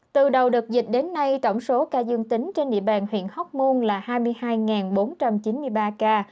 từ đầu đợt dịch đến nay tổng số ca dương tính trên địa bàn huyện hóc môn là hai mươi hai bốn trăm chín mươi ba ca